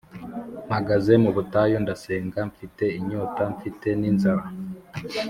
mpagaze mubutayu ndasenga mfite inyota mfite ni inzara